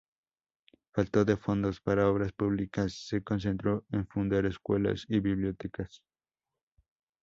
Falto de fondos para obras públicas, se concentró en fundar escuelas y bibliotecas.